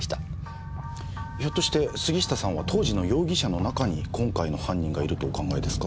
ひょっとして杉下さんは当時の容疑者の中に今回の犯人がいるとお考えですか？